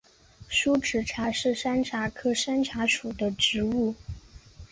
疏齿茶是山茶科山茶属的植物。